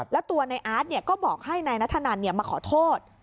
แล้วตัวในอาร์ตก็บอกให้นายนัทธนันมาขอโทษ